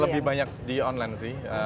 lebih banyak di online sih